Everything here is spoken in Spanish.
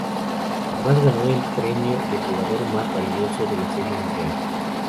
Además ganó el premio de Jugador más valioso de la Serie Mundial.